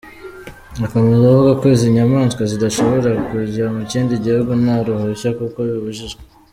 Akomeza avuga ko izi nyamaswa zidashobora kujya mu kindi gihugu nta ruhushya kuko bibujijwe.